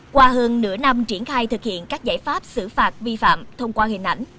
qua hơn nửa năm triển khai thực hiện các giải pháp xử phạt vi phạm thông qua hình ảnh